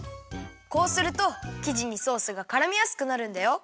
こうするときじにソースがからみやすくなるんだよ。